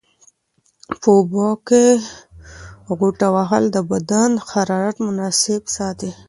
په اوبو کې غوټه وهل د بدن حرارت مناسب ساتي.